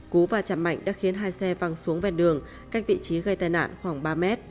cú và chạm mạnh đã khiến hai xe văng xuống ven đường cách vị trí gây tai nạn khoảng ba mét